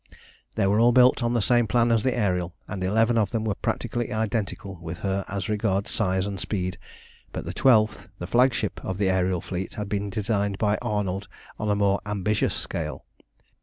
They were all built on the same plan as the Ariel, and eleven of them were practically identical with her as regards size and speed; but the twelfth, the flagship of the aërial fleet, had been designed by Arnold on a more ambitious scale.